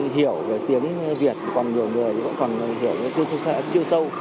hiểu tiếng việt còn nhiều người thì vẫn còn hiểu chưa sâu